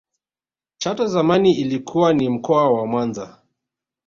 chato zamani ilikuwa ni mkoa wa mwanza